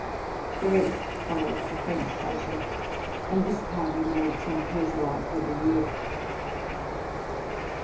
The rest followed the French fashion, and this party made some proselytes every year.